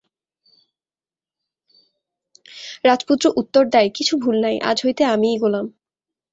রাজপুত্র উত্তর দেয়, কিছু ভুল নাই, আজ হইতে আমিই গোলাম।